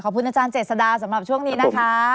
ขอบคุณอาจารย์เจษดาสำหรับช่วงนี้นะคะ